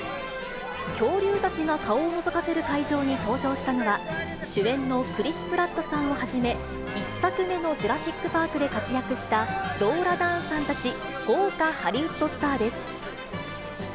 恐竜たちが顔をのぞかせる会場に登場したのは、主演のクリス・プラットさんをはじめ、１作目のジュラシック・パークで活躍したローラ・ダーンさんたち、豪華ハリウッドスターです。